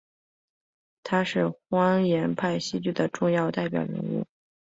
他是荒诞派戏剧的重要代表人物。